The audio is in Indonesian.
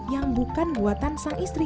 yang bukan buatan sang istri